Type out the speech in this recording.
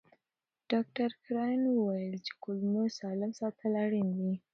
ډاکټر کراین وویل چې کولمو سالم ساتل اړین دي.